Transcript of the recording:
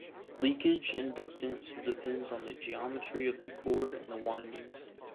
Leakage inductance depends on the geometry of the core and the windings.